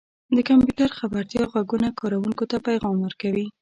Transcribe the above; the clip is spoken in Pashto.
• د کمپیوټر خبرتیا ږغونه کاروونکو ته پیغام ورکوي.